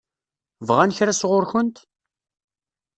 Bɣan kra sɣur-kent?